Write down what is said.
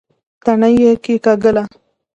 تڼۍ يې کېکاږله.